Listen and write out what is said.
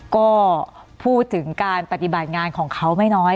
ก็พูดถึงการปฏิบัติงานของเขาไม่น้อย